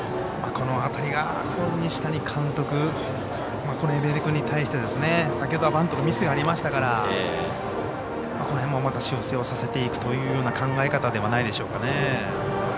この辺りが西谷監督海老根君に対して先ほどはバントのミスがありましたからこの辺もまた修正をさせていくという考え方じゃないでしょうか。